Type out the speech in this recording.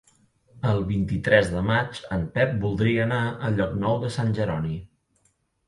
El vint-i-tres de maig en Pep voldria anar a Llocnou de Sant Jeroni.